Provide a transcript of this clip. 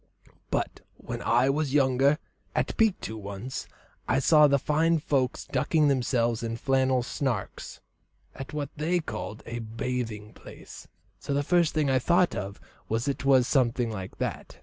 But when I was younger, at Pictou once, I saw the fine folks ducking themselves in flannel sarks, at what they called a 'bathing place,' so the first thing I thought of was that it was something like that.